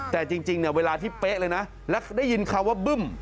แต่จริงเนี่ยเวลาที่เป๊ะเลยนะแล้วได้ยินคำว่าบึ้ม